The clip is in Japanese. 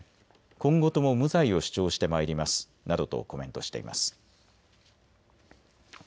今後とも無罪を主張してまいりますなどとコメントしています。